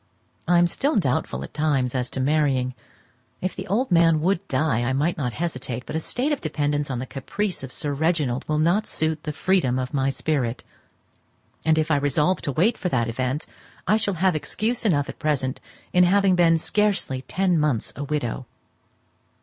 I am still doubtful at times as to marrying; if the old man would die I might not hesitate, but a state of dependance on the caprice of Sir Reginald will not suit the freedom of my spirit; and if I resolve to wait for that event, I shall have excuse enough at present in having been scarcely ten months a widow.